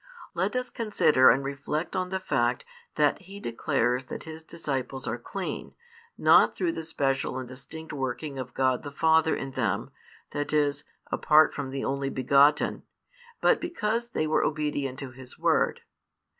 Let us consider and reflect on the fact that He declares that His disciples are clean, not through the special and distinct working of God the Father in them, that is, apart from the Only begotten, but because they were obedient to His Word.